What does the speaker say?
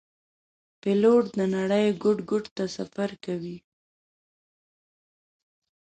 پیلوټ د نړۍ ګوټ ګوټ ته سفر کوي.